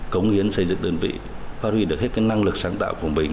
cống hiến xây dựng đơn vị phát huy được hết cái năng lực sáng tạo của mình